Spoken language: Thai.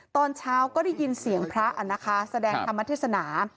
ตอนเช้าก็ได้ยินเสียงพระนะคะแสดงธรรมเทศนา